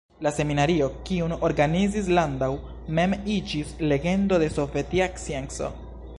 La seminario, kiun organizis Landau, mem iĝis legendo de sovetia scienco.